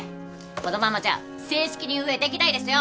このままじゃ正式に運営できないですよ！